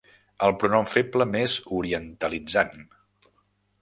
El pronom feble més orientalitzant.